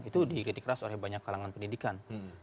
itu dikritik keras oleh banyak kalangan pendidikan